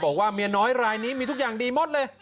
บอกว่าเมียน้อยรายนี้มีทุกอย่างดีหมดเลย